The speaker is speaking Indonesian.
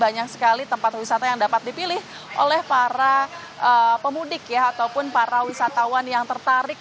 banyak sekali tempat wisata yang dapat dipilih oleh para pemudik ya ataupun para wisatawan yang tertarik